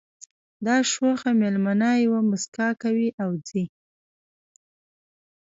دا شوخه مېلمنه یوه مسکا کوي او ځي